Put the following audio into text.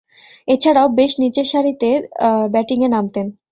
এছাড়াও, বেশ নিচেরসারিতে ব্যাটিংয়ে নামতেন।